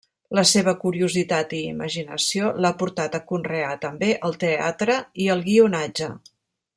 La seva curiositat i imaginació l'ha portat a conrear també el teatre i el guionatge.